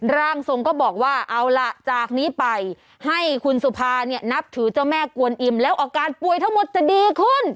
ร่างทรงก็บอกว่าเอาล่ะจากนี้ไปให้คุณสุภาเนี่ยนับถือเจ้าแม่กวนอิ่มแล้วอาการป่วยทั้งหมดจะดีขึ้น